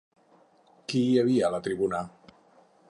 Qui hi havia a la tribuna?